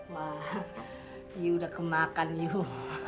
wah you udah kemakan you